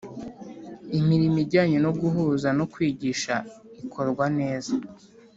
Imirimo ijyanye no guhuza no kwigisha ikorwa neza